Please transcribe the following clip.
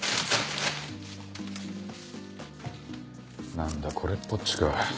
何だこれっぽっちか。